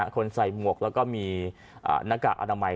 คนใส่หมวกแล้วก็มีหน้ากากอนามัย